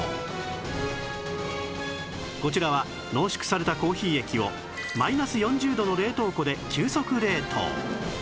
こちらは濃縮されたコーヒー液をマイナス４０度の冷凍庫で急速冷凍